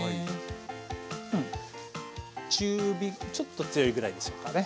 中火ちょっと強いぐらいでしょうかね。